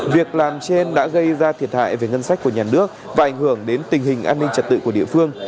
việc làm trên đã gây ra thiệt hại về ngân sách của nhà nước và ảnh hưởng đến tình hình an ninh trật tự của địa phương